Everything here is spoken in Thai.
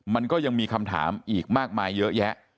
มันก็ยังมีคำถามอีกมากมายเยอะแยะ